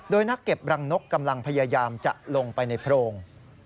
โดยนักเก็บรังนกกำลังพยายามจะลงไปในโพรง